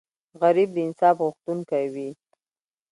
غریب د انصاف غوښتونکی وي